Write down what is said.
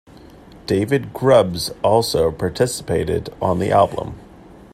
David Grubbs also participated on the album.